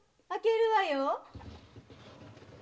開けるわよ。